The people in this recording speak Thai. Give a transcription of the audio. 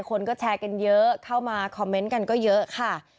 คนก็แชร์กันเยอะเข้ามาคอมเมนต์กันก็เยอะค่ะ